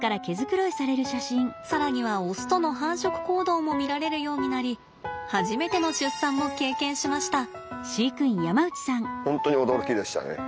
更にはオスとの繁殖行動も見られるようになり初めての出産も経験しました。